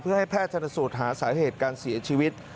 เพื่อให้แพทย์ชนสูตรหาสาเหตุการเสียชีวิต